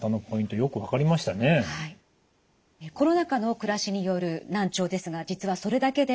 コロナ禍の暮らしによる難聴ですが実はそれだけではありません。